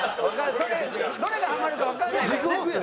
それどれがハマるかわからないからね。